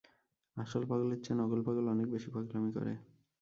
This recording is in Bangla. আসল পাগলের চেয়ে নকল পাগল অনেক বেশি পাগলামি করে।